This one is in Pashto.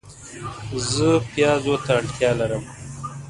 زه پیازو ته اړتیا لرم